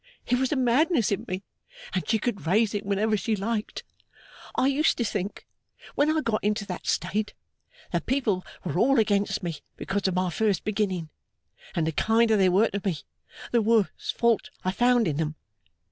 It was a madness in me, and she could raise it whenever she liked. I used to think, when I got into that state, that people were all against me because of my first beginning; and the kinder they were to me, the worse fault I found in them.